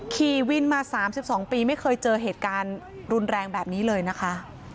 ขี่วินมา๓๒ปีไม่เคยเจอเหตุการณ์รุนแรงแบบนี้เลยนะคะ